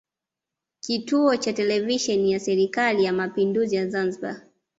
Kituo cha Televisheni ya Serikali ya Mapinduzi ya Zanzibar